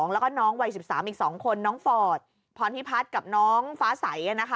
แล้วก็น้องวัย๑๓อีก๒คนน้องฟอร์ดพรพิพัฒน์กับน้องฟ้าใส